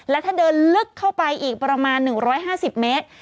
และถ้าเดินลึกเข้าไปอีกประมาณ๑๕๐เมตร